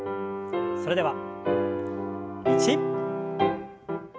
それでは１。